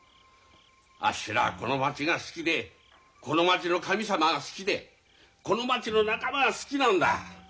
あっしらはこの町が好きでこの町の神様が好きでこの町の仲間が好きなんだ。